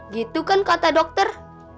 gitu kan kata dokter